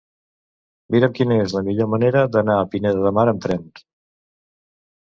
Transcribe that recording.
Mira'm quina és la millor manera d'anar a Pineda de Mar amb tren.